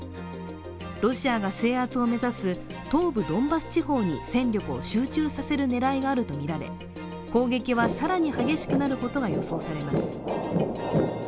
ロシアが制圧を目指す東部ドンバス地方に戦力を集中させる狙いがあるとみられ攻撃は更に激しくなることが予想されます。